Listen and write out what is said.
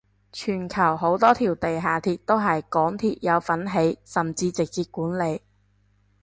全球好多條地下鐵都係港鐵有份起甚至直接管理